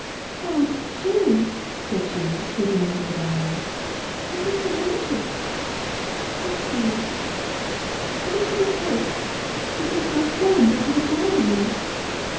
"Oh, Jane!" said she, creeping into the dining room, "What is the matter? How white she looks! How did she get hurt? Did they throw stones into the drawing room?"